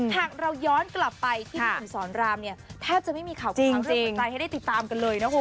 ถ้าเราย้อนกลับไปที่พี่สอนรามเนี่ยแทบจะไม่มีข่าวของเขาเรื่องหัวใจให้ได้ติดตามกันเลยนะคุณ